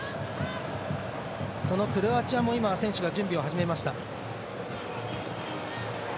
そのクロアチアも選手が準備を始めました。